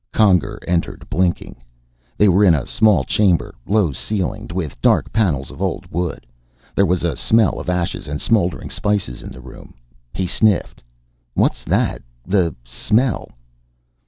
Conger entered, blinking. They were in a small chamber, low ceilinged, with dark panels of old wood. There was a smell of ashes and smoldering spices in the room. He sniffed. "What's that? The smell."